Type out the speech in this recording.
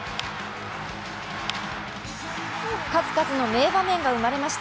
数々の名場面が生まれました。